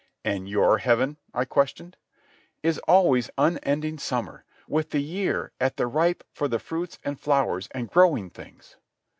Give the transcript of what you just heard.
"And your heaven?" I questioned. "Is always unending summer, with the year at the ripe for the fruits and flowers and growing things."